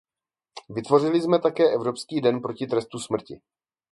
Vytvořili jsme také Evropský den proti trestu smrti.